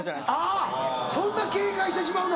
あぁそんな警戒してしまうの。